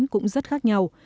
cũng rất khác nhau